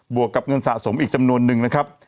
วกกับเงินสะสมอีกจำนวนนึงนะครับ